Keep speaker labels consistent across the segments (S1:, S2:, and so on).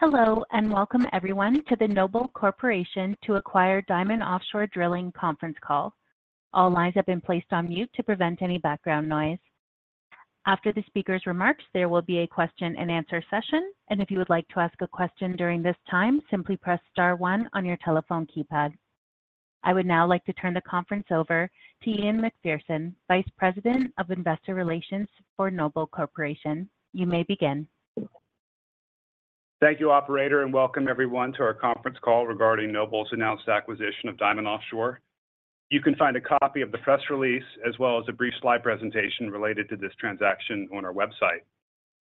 S1: Hello, and welcome everyone to the Noble Corporation to acquire Diamond Offshore Drilling conference call. All lines have been placed on mute to prevent any background noise. After the speaker's remarks, there will be a question and answer session, and if you would like to ask a question during this time, simply press star one on your telephone keypad. I would now like to turn the conference over to Ian Macpherson, Vice President of Investor Relations for Noble Corporation. You may begin.
S2: Thank you, operator, and welcome everyone to our conference call regarding Noble's announced acquisition of Diamond Offshore. You can find a copy of the press release, as well as a brief slide presentation related to this transaction on our website.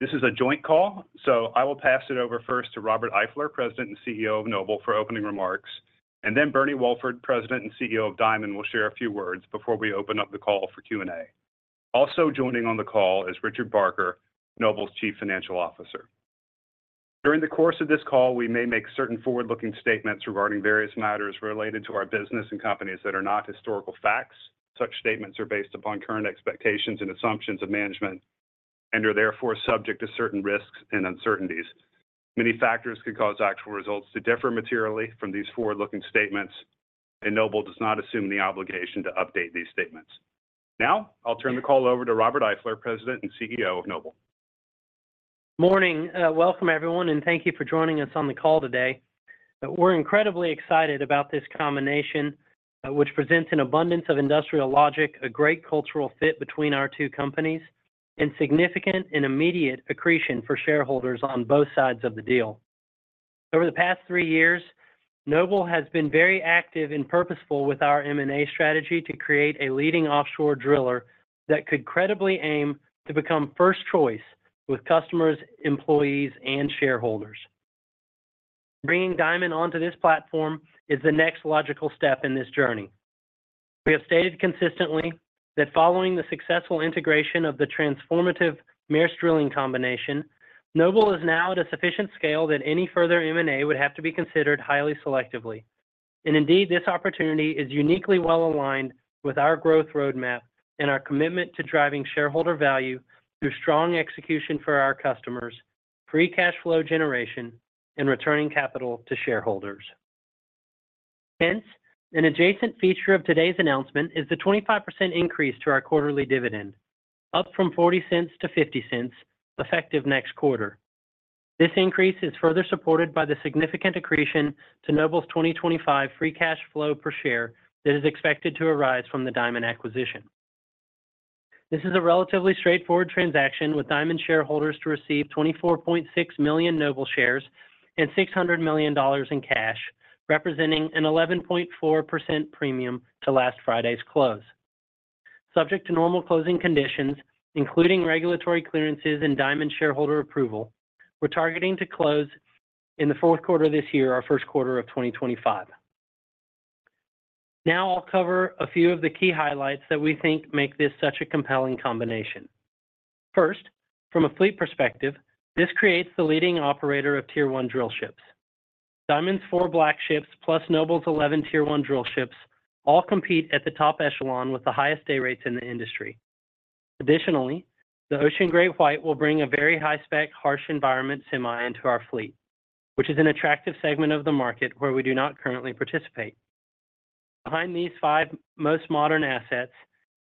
S2: This is a joint call, so I will pass it over first to Robert Eifler, President and CEO of Noble, for opening remarks. And then Bernie Wolford, President and CEO of Diamond, will share a few words before we open up the call for Q&A. Also joining on the call is Richard Barker, Noble's Chief Financial Officer. During the course of this call, we may make certain forward-looking statements regarding various matters related to our business and companies that are not historical facts. Such statements are based upon current expectations and assumptions of management and are therefore subject to certain risks and uncertainties. Many factors could cause actual results to differ materially from these forward-looking statements, and Noble does not assume the obligation to update these statements. Now, I'll turn the call over to Robert Eifler, President and CEO of Noble.
S3: Morning. Welcome everyone, and thank you for joining us on the call today. We're incredibly excited about this combination, which presents an abundance of industrial logic, a great cultural fit between our two companies, and significant and immediate accretion for shareholders on both sides of the deal. Over the past three years, Noble has been very active and purposeful with our M&A strategy to create a leading offshore driller that could credibly aim to become first choice with customers, employees, and shareholders. Bringing Diamond onto this platform is the next logical step in this journey. We have stated consistently that following the successful integration of the transformative Maersk Drilling combination, Noble is now at a sufficient scale that any further M&A would have to be considered highly selectively. Indeed, this opportunity is uniquely well-aligned with our growth roadmap and our commitment to driving shareholder value through strong execution for our customers, free cash flow generation, and returning capital to shareholders. Hence, an adjacent feature of today's announcement is the 25% increase to our quarterly dividend, up from $0.4-$0.50, effective next quarter. This increase is further supported by the significant accretion to Noble's 2025 free cash flow per share that is expected to arise from the Diamond acquisition. This is a relatively straightforward transaction, with Diamond shareholders to receive 24.6 million Noble shares and $600 million in cash, representing an 11.4% premium to last Friday's close. Subject to normal closing conditions, including regulatory clearances and Diamond shareholder approval, we're targeting to close in the fourth quarter of this year, our first quarter of 2025. Now I'll cover a few of the key highlights that we think make this such a compelling combination. First, from a fleet perspective, this creates the leading operator of Tier One drillships. Diamond's four black ships, plus Noble's 11 Tier One drillships, all compete at the top echelon with the highest day rates in the industry. Additionally, the Ocean GreatWhite will bring a very high-spec, harsh environment semi into our fleet, which is an attractive segment of the market where we do not currently participate. Behind these five most modern assets,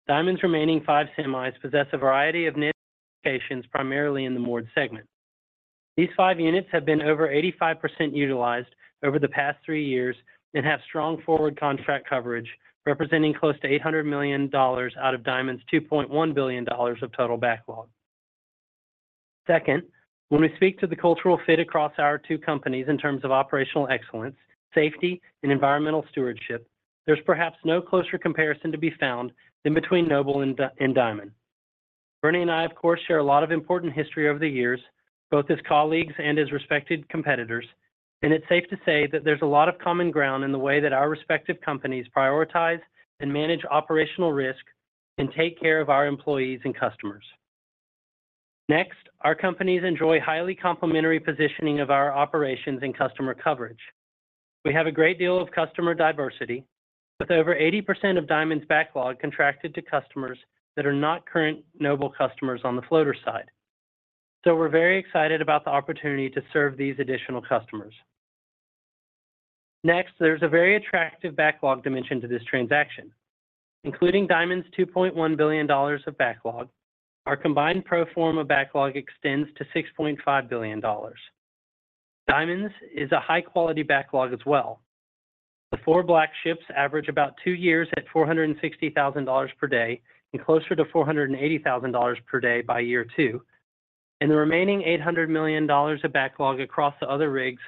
S3: Diamond's remaining five semis possess a variety of niche locations, primarily in the moored segment. These five units have been over 85% utilized over the past three years and have strong forward contract coverage, representing close to $800 milion out of Diamond's $2.1 billion of total backlog. Second, when we speak to the cultural fit across our two companies in terms of operational excellence, safety, and environmental stewardship, there's perhaps no closer comparison to be found than between Noble and Di- and Diamond. Bernie and I, of course, share a lot of important history over the years, both as colleagues and as respected competitors, and it's safe to say that there's a lot of common ground in the way that our respective companies prioritize and manage operational risk and take care of our employees and customers. Next, our companies enjoy highly complementary positioning of our operations and customer coverage. We have a great deal of customer diversity, with over 80% of Diamond's backlog contracted to customers that are not current Noble customers on the floater side. So we're very excited about the opportunity to serve these additional customers. Next, there's a very attractive backlog dimension to this transaction, including Diamond's $2.1 billion of backlog. Our combined pro forma backlog extends to $6.5 billion. Diamond's is a high-quality backlog as well. The four black ships average about 2 years at $460,000 per day and closer to $480,000 per day by year two. The remaining $800 million of backlog across the other rigs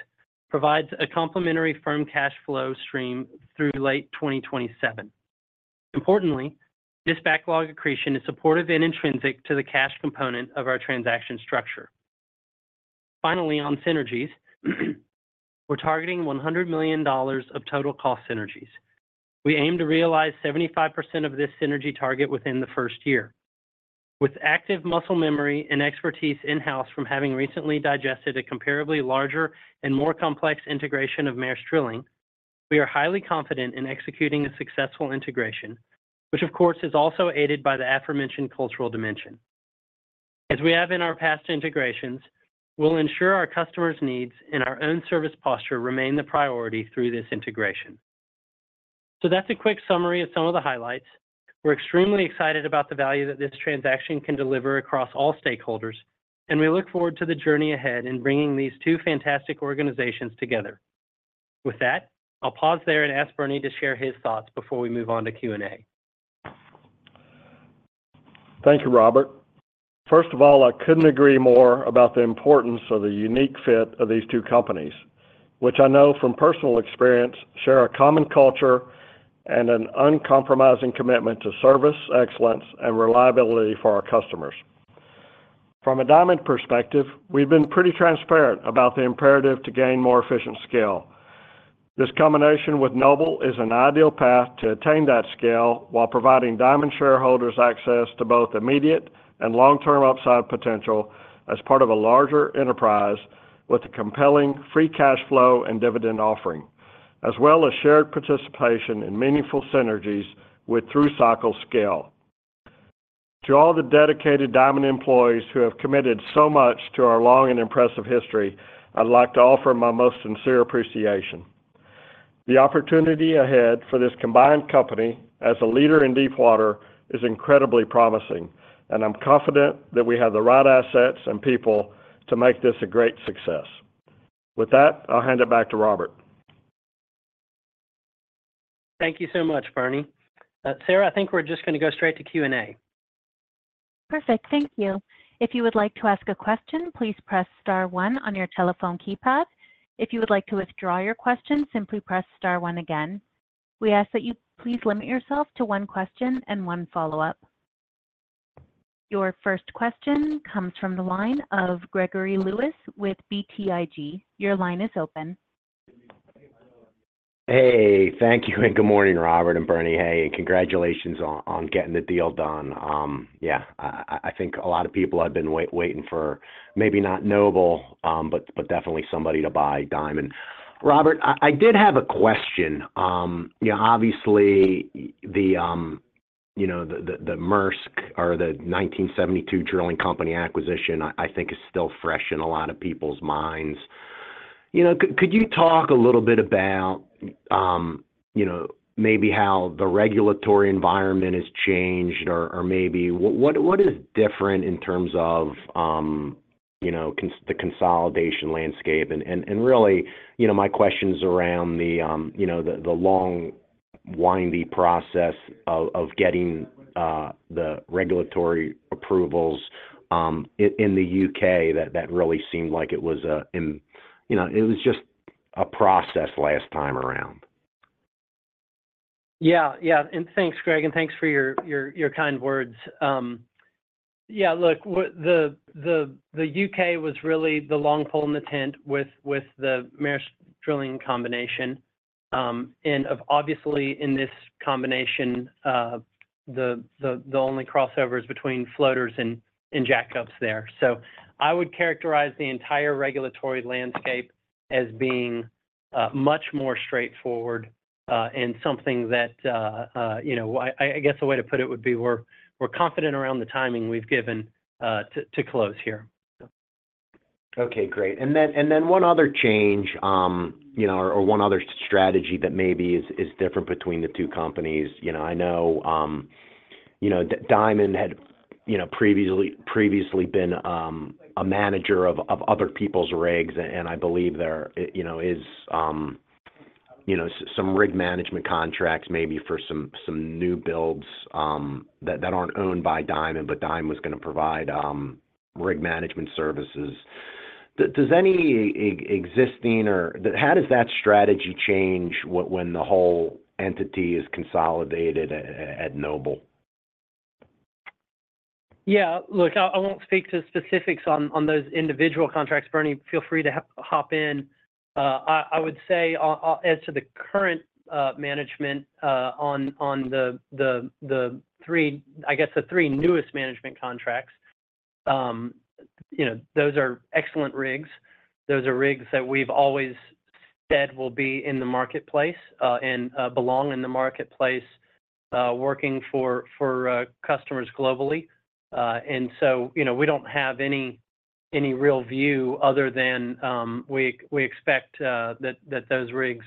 S3: provides a complementary firm cash flow stream through late 2027. Importantly, this backlog accretion is supportive and intrinsic to the cash component of our transaction structure. Finally, on synergies, we're targeting $100 million of total cost synergies. We aim to realize 75% of this synergy target within the first year. With active muscle memory and expertise in-house from having recently digested a comparably larger and more complex integration of Maersk Drilling. We are highly confident in executing a successful integration, which of course, is also aided by the aforementioned cultural dimension. As we have in our past integrations, we'll ensure our customers' needs and our own service posture remain the priority through this integration. So that's a quick summary of some of the highlights. We're extremely excited about the value that this transaction can deliver across all stakeholders, and we look forward to the journey ahead in bringing these two fantastic organizations together. With that, I'll pause there and ask Bernie to share his thoughts before we move on to Q&A.
S4: Thank you, Robert. First of all, I couldn't agree more about the importance of the unique fit of these two companies, which I know from personal experience, share a common culture and an uncompromising commitment to service excellence and reliability for our customers. From a Diamond perspective, we've been pretty transparent about the imperative to gain more efficient scale. This combination with Noble is an ideal path to attain that scale, while providing Diamond shareholders access to both immediate and long-term upside potential as part of a larger enterprise with a compelling free cash flow and dividend offering, as well as shared participation in meaningful synergies with through-cycle scale. To all the dedicated Diamond employees who have committed so much to our long and impressive history, I'd like to offer my most sincere appreciation. The opportunity ahead for this combined company as a leader in deepwater is incredibly promising, and I'm confident that we have the right assets and people to make this a great success. With that, I'll hand it back to Robert.
S3: Thank you so much, Bernie. Sarah, I think we're just gonna go straight to Q&A.
S1: Perfect. Thank you. If you would like to ask a question, please press star one on your telephone keypad. If you would like to withdraw your question, simply press star one again. We ask that you please limit yourself to one question and one follow-up. Your first question comes from the line of Gregory Lewis with BTIG. Your line is open.
S5: Hey, thank you, and good morning, Robert and Bernie. Hey, congratulations on getting the deal done. Yeah, I think a lot of people have been waiting for maybe not Noble, but definitely somebody to buy Diamond. Robert, I did have a question. Yeah, obviously, you know, the Maersk or the 1972 Drilling Company acquisition, I think is still fresh in a lot of people's minds. You know, could you talk a little bit about, you know, maybe how the regulatory environment has changed or maybe what is different in terms of, you know, the consolidation landscape? And really, you know, my question is around the long, windy process of getting the regulatory approvals in the U.K., that really seemed like it was a... You know, it was just a process last time around.
S3: Yeah, yeah. And thanks, Greg, and thanks for your kind words. Yeah, look, the U.K. was really the long pole in the tent with the Maersk Drilling combination. And obviously, in this combination, the only crossover is between floaters and jackups there. So I would characterize the entire regulatory landscape as being much more straightforward, and something that you know, I guess the way to put it would be, we're confident around the timing we've given to close here.
S5: Okay, great. And then one other change, you know, or one other strategy that maybe is different between the two companies. You know, I know Diamond had, you know, previously been a manager of other people's rigs, and I believe there you know is some rig management contracts, maybe for some new builds that aren't owned by Diamond, but Diamond was gonna provide rig management services. Does any existing or... How does that strategy change when the whole entity is consolidated at Noble?
S3: Yeah. Look, I won't speak to specifics on those individual contracts. Bernie, feel free to hop in. I would say, as to the current management on the three, I guess the three newest management contracts, you know, those are excellent rigs. Those are rigs that we've always said will be in the marketplace, and belong in the marketplace, working for customers globally. And so, you know, we don't have any real view other than we expect that those rigs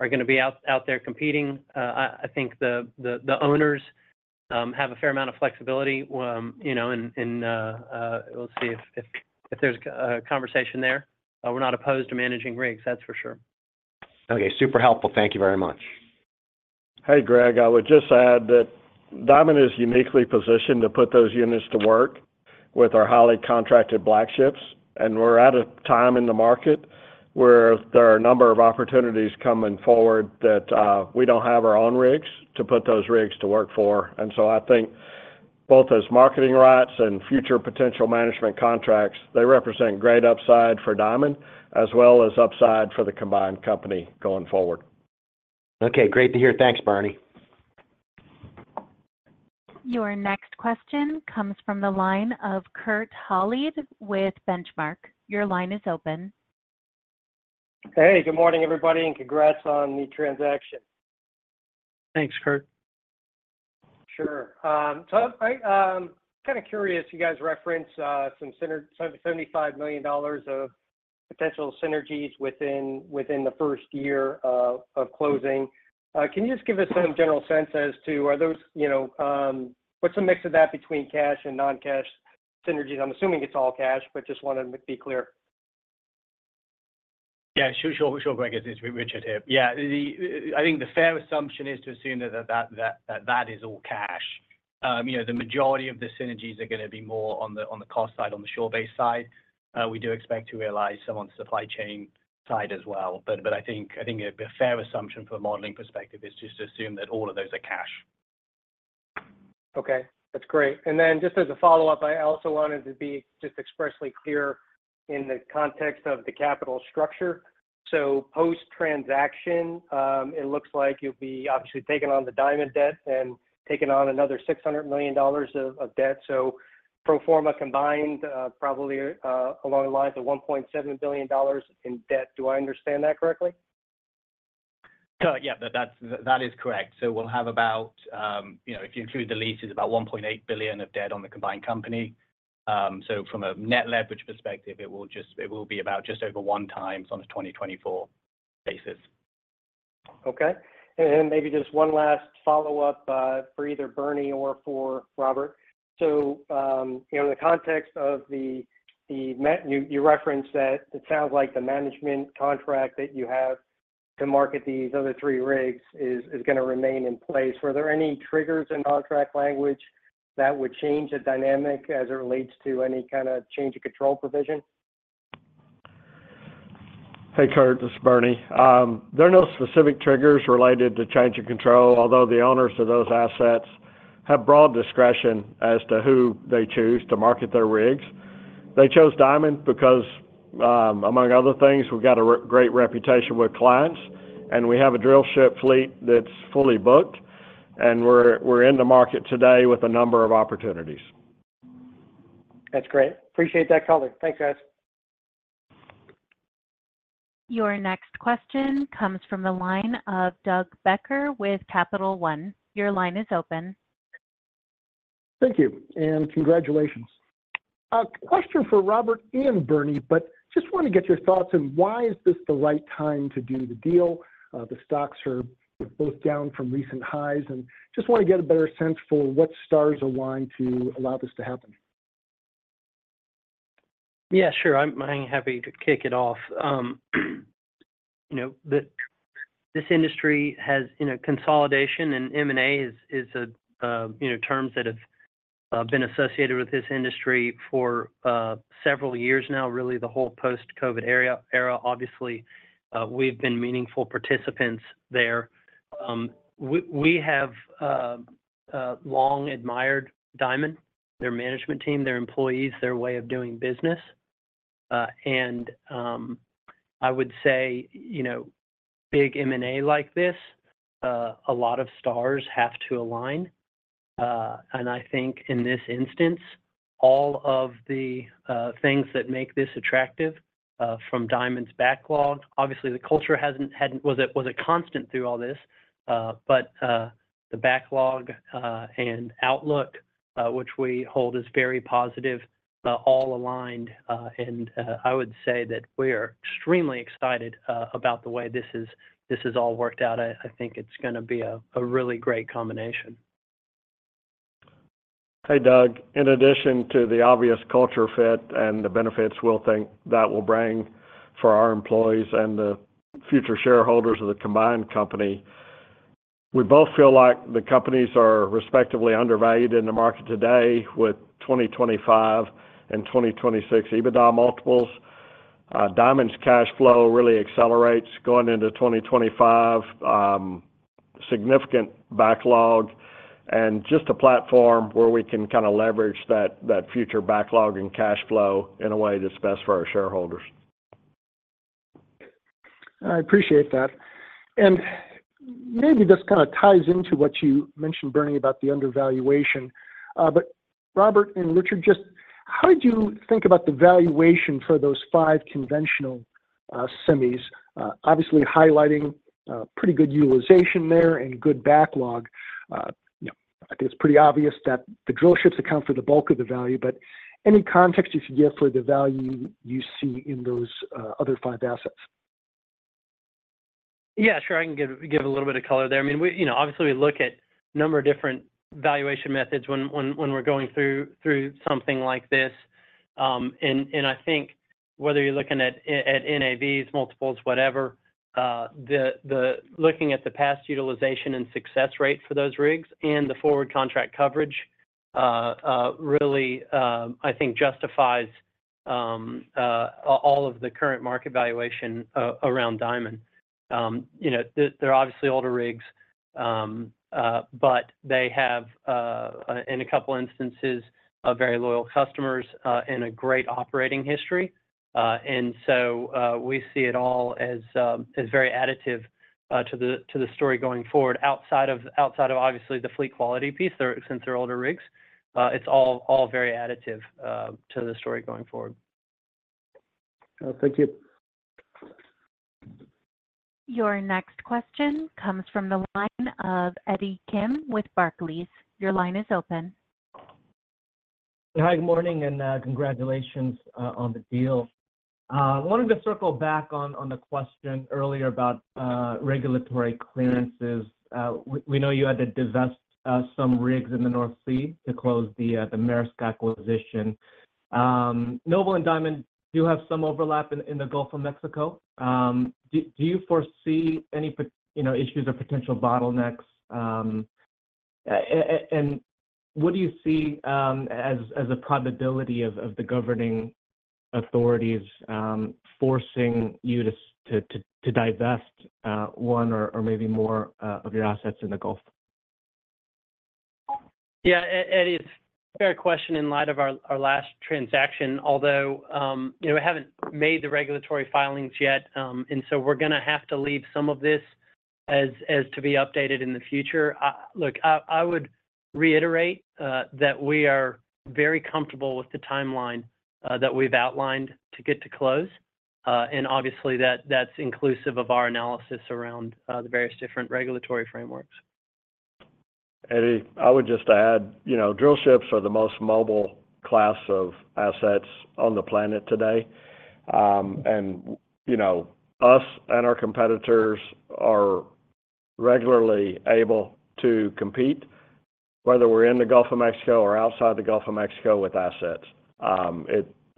S3: are gonna be out there competing. I think the owners have a fair amount of flexibility, you know, and we'll see if there's a conversation there. We're not opposed to managing rigs, that's for sure.
S5: Okay, super helpful. Thank you very much.
S4: Hey, Greg, I would just add that Diamond is uniquely positioned to put those units to work with our highly contracted black ships, and we're at a time in the market where there are a number of opportunities coming forward that we don't have our own rigs to put those rigs to work for. And so I think both as marketing rights and future potential management contracts, they represent great upside for Diamond, as well as upside for the combined company going forward.
S5: Okay, great to hear. Thanks, Bernie.
S1: Your next question comes from the line of Kurt Hallead with Benchmark. Your line is open.
S6: Hey, good morning, everybody, and congrats on the transaction.
S3: Thanks, Kurt.
S6: Sure. So I kind of curious, you guys referenced some synergies, $75 million of potential synergies within the first year of closing. Can you just give us some general sense as to are those, you know, what's the mix of that between cash and non-cash synergies? I'm assuming it's all cash, but just wanted to be clear.
S7: Yeah, sure, sure, sure, Kurt, it's Richard here. Yeah, I think the fair assumption is to assume that is all cash. You know, the majority of the synergies are gonna be more on the cost side, on the shore-based side. We do expect to realize some on supply chain side as well, but I think a fair assumption for a modeling perspective is just to assume that all of those are cash.
S6: Okay, that's great. And then just as a follow-up, I also wanted to be just expressly clear in the context of the capital structure. So post-transaction, it looks like you'll be obviously taking on the Diamond debt and taking on another $600 million of, of debt. So pro forma combined, probably, along the lines of $1.7 billion in debt. Do I understand that correctly?
S7: Yeah, that is correct. So we'll have about, you know, if you include the leases, about $1.8 billion of debt on the combined company. So from a net leverage perspective, it will be about just over 1x on a 2024 basis.
S6: Okay. And then maybe just one last follow-up for either Bernie or for Robert. So, you know, in the context of the merger you referenced that it sounds like the management contract that you have to market these other three rigs is gonna remain in place. Were there any triggers in contract language that would change the dynamic as it relates to any kind of change of control provision?
S3: Hey, Kurt, this is Bernie. There are no specific triggers related to change of control, although the owners of those assets have broad discretion as to who they choose to market their rigs. They chose Diamond because, among other things, we've got a great reputation with clients, and we have a drillship fleet that's fully booked, and we're in the market today with a number of opportunities.
S6: That's great. Appreciate that color. Thanks, guys.
S1: Your next question comes from the line of Doug Becker with Capital One. Your line is open.
S8: Thank you, and congratulations. A question for Robert and Bernie, but just want to get your thoughts on why is this the right time to do the deal? The stocks are both down from recent highs, and just want to get a better sense for what stars align to allow this to happen.
S3: Yeah, sure. I'm happy to kick it off. You know, this industry has, you know, consolidation and M&A is, you know, terms that have been associated with this industry for several years now, really the whole post-COVID era. Obviously, we've been meaningful participants there. We have long admired Diamond, their management team, their employees, their way of doing business. And I would say, you know, big M&A like this, a lot of stars have to align. And I think in this instance, all of the things that make this attractive, from Diamond's backlog, obviously, the culture was a constant through all this, but the backlog and outlook, which we hold is very positive, all aligned. I would say that we are extremely excited about the way this has all worked out. I think it's gonna be a really great combination.
S4: Hey, Doug. In addition to the obvious culture fit and the benefits we'll think that will bring for our employees and the future shareholders of the combined company, we both feel like the companies are respectively undervalued in the market today with 2025 and 2026 EBITDA multiples. Diamond's cash flow really accelerates going into 2025, significant backlog, and just a platform where we can kind of leverage that future backlog and cash flow in a way that's best for our shareholders.
S8: I appreciate that. And maybe this kind of ties into what you mentioned, Bernie, about the undervaluation, but Robert and Richard, just how did you think about the valuation for those five conventional, semis? Obviously highlighting, pretty good utilization there and good backlog. You know, I think it's pretty obvious that the drill ships account for the bulk of the value, but any context you could give for the value you see in those, other five assets?
S3: Yeah, sure. I can give a little bit of color there. I mean, we, you know, obviously, we look at a number of different valuation methods when we're going through something like this. And I think whether you're looking at NAVs, multiples, whatever, looking at the past utilization and success rate for those rigs and the forward contract coverage really, I think justifies all of the current market valuation around Diamond. You know, they're obviously older rigs, but they have, in a couple instances, very loyal customers, and a great operating history. And so, we see it all as very additive to the story going forward. Outside of obviously the fleet quality piece, since they're older rigs, it's all, all very additive to the story going forward.
S8: Thank you.
S1: Your next question comes from the line of Eddie Kim with Barclays. Your line is open.
S9: Hi, good morning, and congratulations on the deal. Wanted to circle back on the question earlier about regulatory clearances. We know you had to divest some rigs in the North Sea to close the Maersk acquisition. Noble and Diamond do have some overlap in the Gulf of Mexico. Do you foresee any – you know, issues or potential bottlenecks? And what do you see as a probability of the governing authorities forcing you to divest one or maybe more of your assets in the Gulf?
S3: Yeah, Eddie, it's a fair question in light of our last transaction, although, you know, we haven't made the regulatory filings yet. And so we're gonna have to leave some of this as to be updated in the future. Look, I would reiterate that we are very comfortable with the timeline that we've outlined to get to close. And obviously, that's inclusive of our analysis around the various different regulatory frameworks.
S4: Eddie, I would just add, you know, drill ships are the most mobile class of assets on the planet today. And, you know, us and our competitors are regularly able to compete, whether we're in the Gulf of Mexico or outside the Gulf of Mexico, with assets.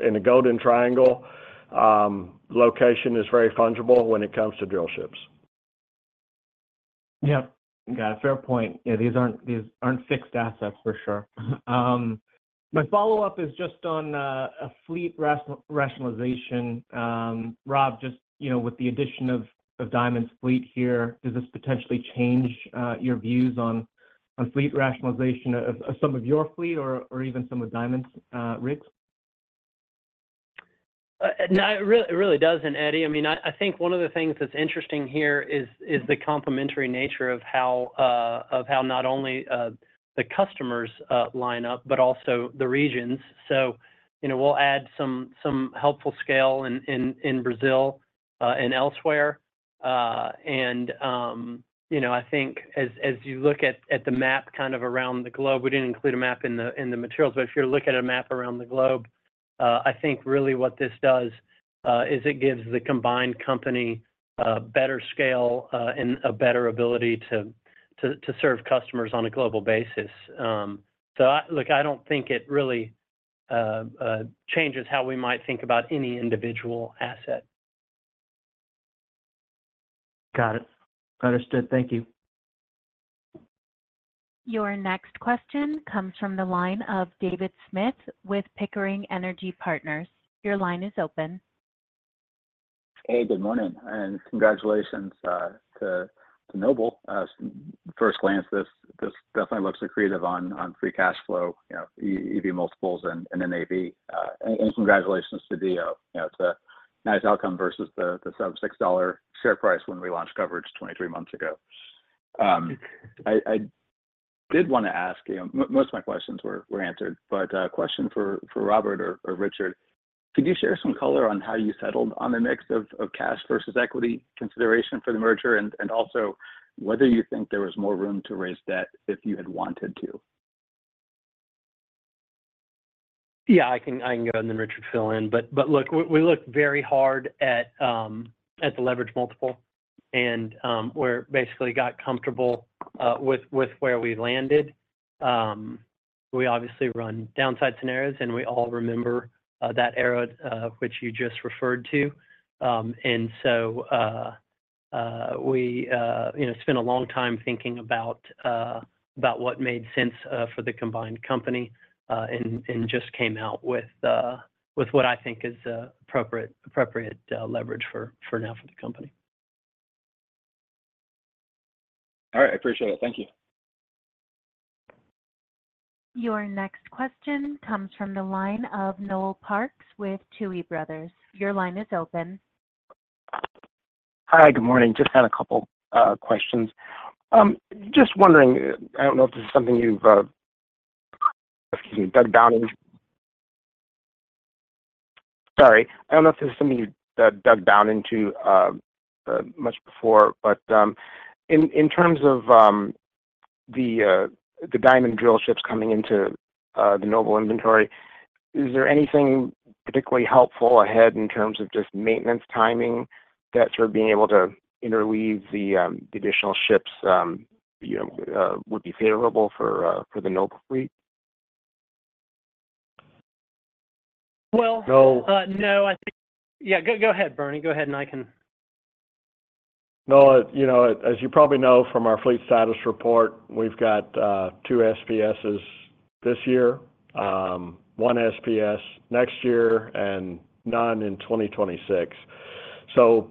S4: In the Golden Triangle, location is very fungible when it comes to drill ships.
S9: Yep. Got it, fair point. Yeah, these aren't, these aren't fixed assets, for sure. My follow-up is just on a fleet rationalization. Rob, just, you know, with the addition of Diamond's fleet here, does this potentially change your views on fleet rationalization of some of your fleet or even some of Diamond's rigs?
S3: No, it really doesn't, Eddie. I mean, I think one of the things that's interesting here is the complementary nature of how not only the customers line up, but also the regions. So, you know, we'll add some helpful scale in Brazil and elsewhere. And, you know, I think as you look at the map kind of around the globe, we didn't include a map in the materials, but if you look at a map around the globe, I think really what this does is it gives the combined company better scale and a better ability to serve customers on a global basis. So, look, I don't think it really changes how we might think about any individual asset.
S9: Got it. Understood. Thank you.
S1: Your next question comes from the line of David Smith with Pickering Energy Partners. Your line is open.
S10: Hey, good morning, and congratulations to Noble. First glance, this definitely looks accretive on free cash flow, you know, EV multiples and NAV. And congratulations to DO, you know, it's a nice outcome versus the sub $6 share price when we launched coverage 23 months ago. I did want to ask, you know... Most of my questions were answered, but question for Robert or Richard: Could you share some color on how you settled on the mix of cash versus equity consideration for the merger? And also, whether you think there was more room to raise debt if you had wanted to.
S3: Yeah, I can go, and then Richard fill in. But look, we looked very hard at the leverage multiple, and we're basically got comfortable with where we landed. We obviously run downside scenarios, and we all remember that era which you just referred to. And so we you know, spent a long time thinking about what made sense for the combined company, and just came out with what I think is appropriate leverage for now for the company.
S10: All right, I appreciate it. Thank you.
S1: Your next question comes from the line of Noel Parks with Tuohy Brothers. Your line is open.
S11: Hi, good morning. Just had a couple questions. Just wondering, I don't know if this is something you've, excuse me, dug down in. Sorry, I don't know if this is something you dug down into much before. But in terms of the Diamond drill ships coming into the Noble inventory, is there anything particularly helpful ahead in terms of just maintenance timing that sort of being able to interweave the additional ships, you know, would be favorable for the Noble fleet?
S3: Well.
S4: No.
S3: No, I think... Yeah. Go ahead, Bernie. Go ahead and I can.
S4: No, you know, as you probably know from our fleet status report, we've got, two SPS's this year, one SPS next year, and none in 2026. So,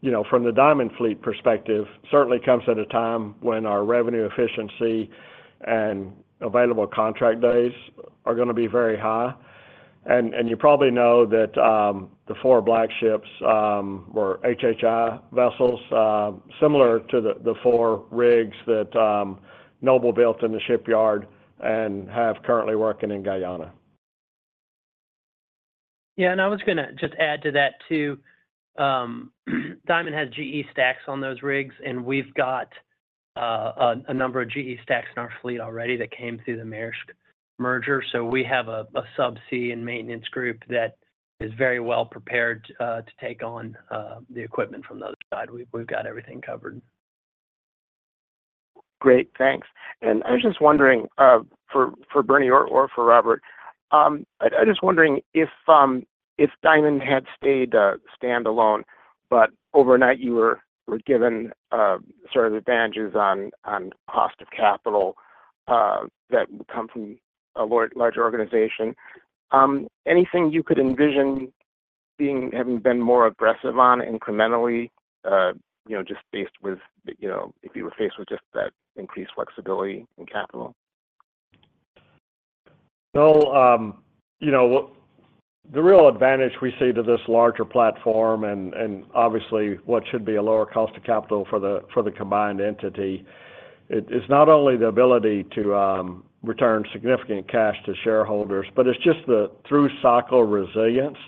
S4: you know, from the Diamond Fleet perspective, certainly comes at a time when our revenue efficiency and available contract days are gonna be very high. And, and you probably know that, the four black ships, were HHI vessels, similar to the, the four rigs that, Noble built in the shipyard and have currently working in Guyana.
S3: Yeah, and I was gonna just add to that, too. Diamond has GE stacks on those rigs, and we've got a number of GE stacks in our fleet already that came through the Maersk merger. So we have a subsea and maintenance group that is very well prepared to take on the equipment from the other side. We've got everything covered.
S11: Great, thanks. I was just wondering for Bernie or for Robert, I'm just wondering if Diamond had stayed standalone, but overnight you were given sort of advantages on cost of capital that would come from a larger organization, anything you could envision having been more aggressive on incrementally, you know, just faced with, you know, if you were faced with just that increased flexibility in capital?
S4: Well, you know, the real advantage we see to this larger platform and obviously what should be a lower cost of capital for the combined entity, it is not only the ability to return significant cash to shareholders, but it's just the through cycle resilience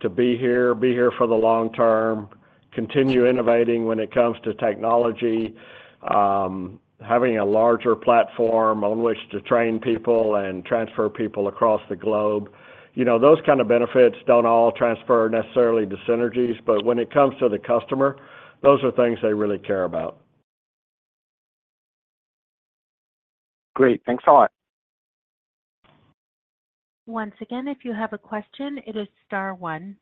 S4: to be here for the long term, continue innovating when it comes to technology, having a larger platform on which to train people and transfer people across the globe. You know, those kind of benefits don't all transfer necessarily to synergies, but when it comes to the customer, those are things they really care about.
S11: Great, thanks a lot.
S1: Once again, if you have a question, it is star one.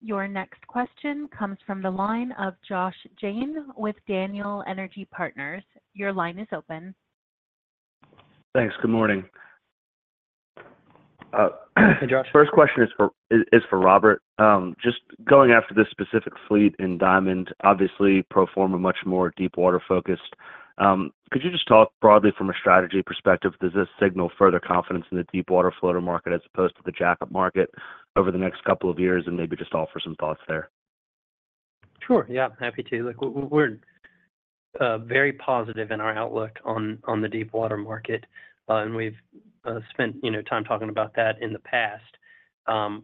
S1: Your next question comes from the line of Josh Jayne with Daniel Energy Partners. Your line is open.
S12: Thanks. Good morning.
S3: Hey, Josh.
S12: First question is for Robert. Just going after this specific fleet in Diamond, obviously pro forma, much more deepwater focused. Could you just talk broadly from a strategy perspective? Does this signal further confidence in the deepwater floater market as opposed to the jackup market over the next couple of years? And maybe just offer some thoughts there.
S3: Sure. Yeah, happy to. Look, we're very positive in our outlook on the deepwater market, and we've spent, you know, time talking about that in the past.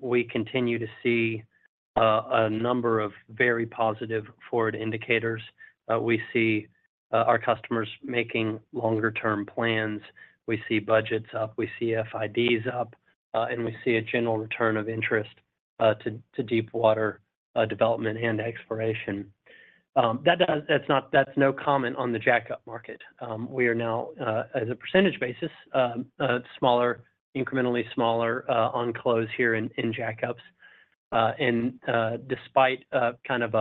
S3: We continue to see a number of very positive forward indicators. We see our customers making longer term plans. We see budgets up, we see FIDs up, and we see a general return of interest to deepwater development and exploration. That's not. That's no comment on the jackup market. We are now, as a percentage basis, a smaller, incrementally smaller, on close here in jackups. And, despite kind of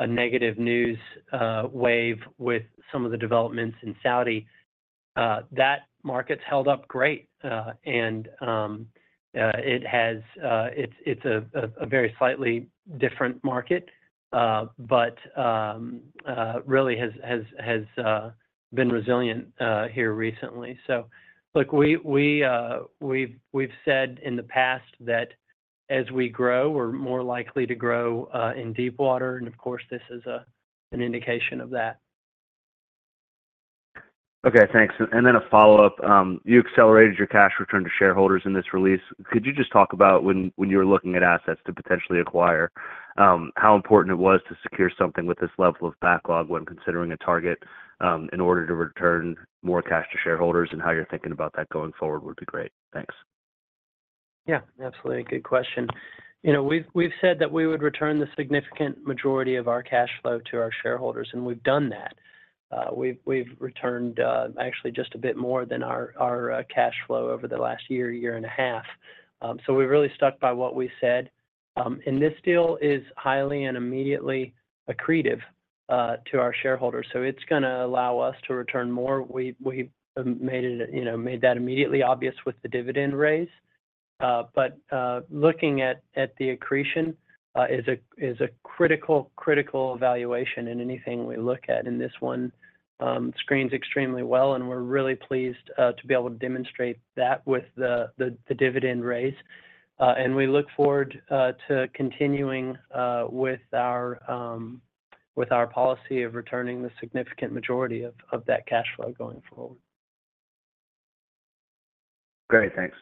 S3: a negative news wave with some of the developments in Saudi, that market's held up great. It has, it's a very slightly different market, but really has been resilient here recently. So look, we've said in the past that as we grow, we're more likely to grow in deepwater. And of course, this is an indication of that.
S12: Okay, thanks. And then a follow-up. You accelerated your cash return to shareholders in this release. Could you just talk about when, when you were looking at assets to potentially acquire, how important it was to secure something with this level of backlog when considering a target, in order to return more cash to shareholders, and how you're thinking about that going forward would be great. Thanks.
S3: Yeah, absolutely. Good question. You know, we've said that we would return the significant majority of our cash flow to our shareholders, and we've done that. We've returned actually just a bit more than our cash flow over the last year and a half. So we've really stuck by what we said. This deal is highly and immediately accretive to our shareholders, so it's gonna allow us to return more. We've made it, you know, made that immediately obvious with the dividend raise. But looking at the accretion is a critical evaluation in anything we look at. This one screens extremely well, and we're really pleased to be able to demonstrate that with the dividend raise. We look forward to continuing with our policy of returning the significant majority of that cash flow going forward.
S12: Great. Thanks.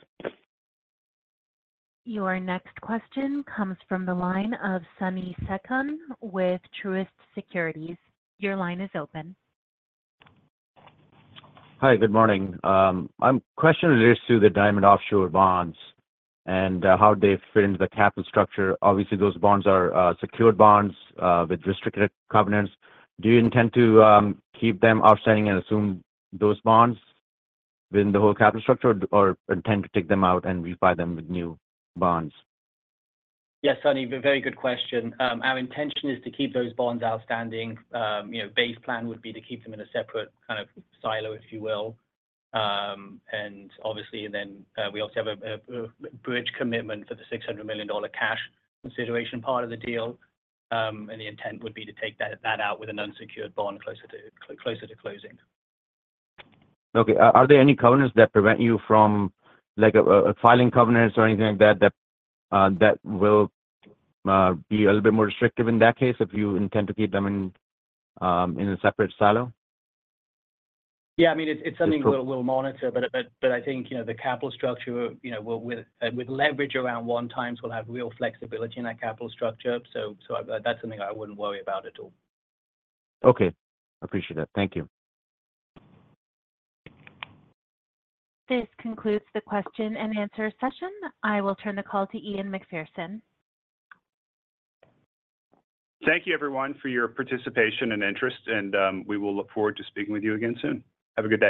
S1: Your next question comes from the line of Sunny Sekhon with Truist Securities. Your line is open.
S13: Hi, good morning. My question relates to the Diamond Offshore bonds and how they fit into the capital structure. Obviously, those bonds are secured bonds with restricted covenants. Do you intend to keep them outstanding and assume those bonds within the whole capital structure or intend to take them out and refi them with new bonds?
S7: Yes, Sunny, a very good question. Our intention is to keep those bonds outstanding. You know, base plan would be to keep them in a separate kind of silo, if you will. And obviously, then, we also have a bridge commitment for the $600 million cash consideration part of the deal. And the intent would be to take that out with an unsecured bond closer to closing.
S13: Okay. Are there any covenants that prevent you from, like, a filing covenants or anything like that, that will be a little bit more restrictive in that case if you intend to keep them in a separate silo?
S7: Yeah, I mean, it's something we'll monitor, but I think, you know, the capital structure, you know, with leverage around one times, we'll have real flexibility in our capital structure. So that's something I wouldn't worry about at all.
S13: Okay, appreciate it. Thank you.
S1: This concludes the question and answer session. I will turn the call to Ian Macpherson.
S3: Thank you, everyone, for your participation and interest, and, we will look forward to speaking with you again soon. Have a good day.